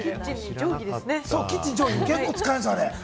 定規、結構使えるんですよ。